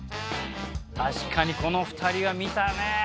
確かにこの２人は見たね。